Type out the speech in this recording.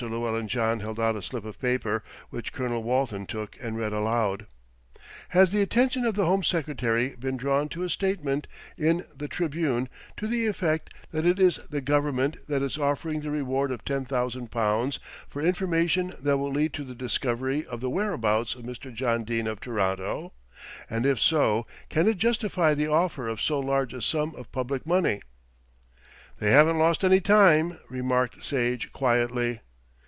Llewellyn John held out a slip of paper, which Colonel Walton took and read aloud. "Has the attention of the Home Secretary been drawn to a statement in The Tribune to the effect that it is the Government that is offering the reward of £10,000 for information that will lead to the discovery of the whereabouts of Mr. John Dene of Toronto, and if so can it justify the offer of so large a sum of public money?" "They haven't lost any time," remarked Sage quietly.